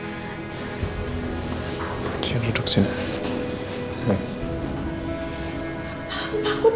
kamu mondar mandir gak akan menyelesaikan masalah